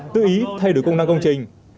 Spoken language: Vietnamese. tự ý thay đổi công năng công trình